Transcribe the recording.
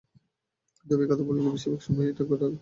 তবে একথা বললেও, বেশিরভাগ সময় এটা একটা কাদার গর্তে ঝাঁপ দেওয়ার মত।